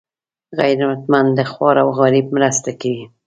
غیرتمند د خوار او غریب مرسته کوي